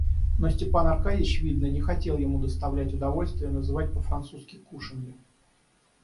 Но Степан Аркадьич, видно, не хотел ему доставлять удовольствие называть по-французски кушанья.